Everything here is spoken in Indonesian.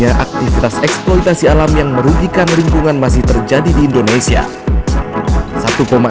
aktivitas eksploitasi alam yang merugikan lingkungan masih terjadi di indonesia